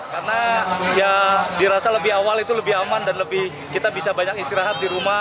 karena ya dirasa lebih awal itu lebih aman dan kita bisa banyak istirahat di rumah